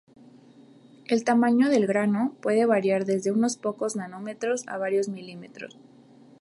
El tamaño del grano puede variar desde unos pocos nanómetros a varios milímetros.